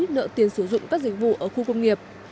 nợ tiền sử dụng các dịch vụ ở khu công nghiệp